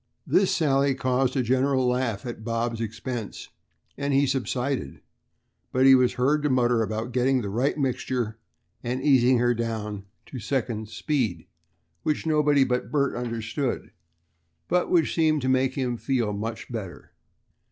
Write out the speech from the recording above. This sally caused a general laugh at Bob's expense and he subsided, but was heard to mutter about "getting the right mixture," and "easing her down to second speed," which nobody but Bert understood, but which seemed to make him feel much better.